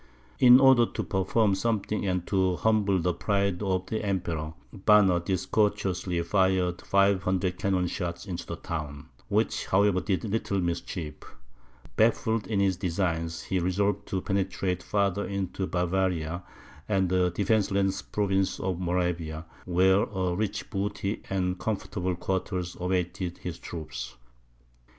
In order to perform something, and to humble the pride of the Emperor, Banner discourteously fired 500 cannon shots into the town, which, however, did little mischief. Baffled in his designs, he resolved to penetrate farther into Bavaria, and the defenceless province of Moravia, where a rich booty and comfortable quarters awaited his troops.